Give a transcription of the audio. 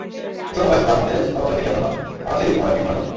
অসম্ভব ব্যস্ততার মধ্যে অবাক হয়ে দেখি, এখনো আমার সেই অডার-কেই মনে পড়ে।